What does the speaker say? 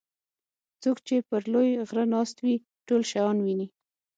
څوک چې پر لوی غره ناست وي ټول شیان ویني.